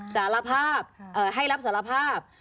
สารภาพให้รับสารภาพ